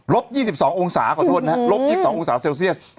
๒๒องศาขอโทษนะครับลบ๒๒องศาเซลเซียส